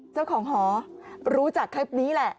เจ้าของหอรู้จากคลิปนี้แหละ